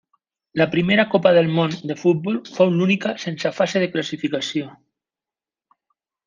La primera Copa del Món de futbol fou l'única sense fase de classificació.